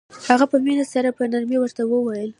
هغه په مينه سره په نرمۍ ورته وويل.